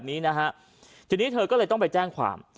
ทีนี้เธอยังต้องไปแจ้งความ